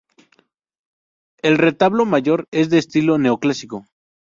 El retablo mayor es de estilo neoclásico.